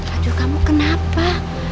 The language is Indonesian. aduh kamu kenapa